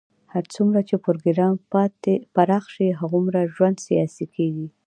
هر څومره چې پروګرام پراخ شي، هغومره ژوند سیاسي کېږي.